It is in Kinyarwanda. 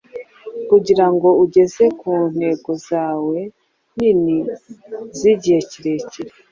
kugirango ugere ku ntego zawe nini, zigihe kirekire